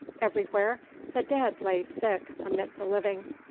Everywhere the dead lay thick amid the living.